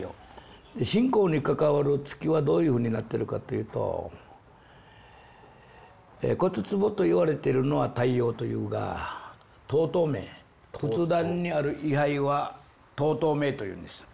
信仰に関わる月はどういうふうになってるかというと「骨壺」と言われてるのは「太陽」というがトウトウメー仏壇にある位牌は「トウトウメー」というんです。